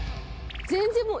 全然。